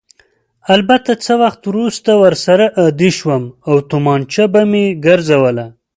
البته څه وخت وروسته ورسره عادي شوم او تومانچه به مې ګرځوله.